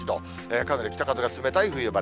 かなり北風が冷たい冬晴れ。